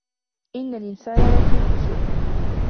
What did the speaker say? إِنَّ الْإِنْسَانَ لَفِي خُسْرٍ